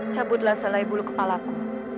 cabutlah selai bulu kepala ku